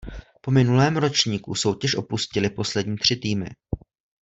Po minulém ročníku soutěž opustily poslední tři týmy.